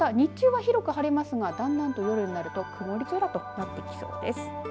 また日中は広く晴れますがだんだんと夜になると曇り空となってきそうです。